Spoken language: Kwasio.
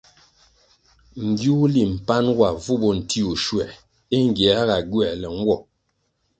Ngiwuli mpan wa vu bo ntiwuh schuer é ngierga gywerle nwo.